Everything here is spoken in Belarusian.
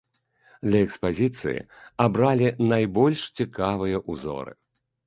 Для экспазіцыі абралі найбольш цікавыя ўзоры.